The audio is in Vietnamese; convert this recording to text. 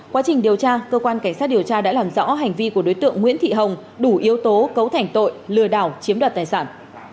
quá trình điều tra cơ quan cảnh sát điều tra đã làm rõ hành vi của đối tượng nguyễn thị hồng đủ yếu tố cấu thành tội lừa đảo chiếm đoạt tài sản